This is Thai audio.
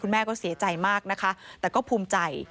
แม่ก็เสียใจมากนะคะแต่ก็ภูมิใจ